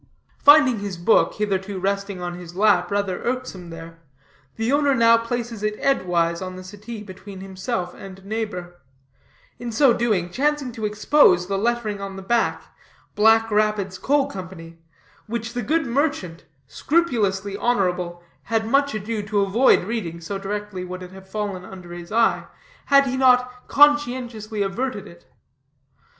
Finding his book, hitherto resting on his lap, rather irksome there, the owner now places it edgewise on the settee, between himself and neighbor; in so doing, chancing to expose the lettering on the back "Black Rapids Coal Company" which the good merchant, scrupulously honorable, had much ado to avoid reading, so directly would it have fallen under his eye, had he not conscientiously averted it.